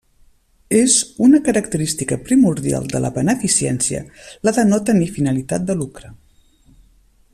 És una característica primordial de la beneficència la de no tenir finalitat de lucre.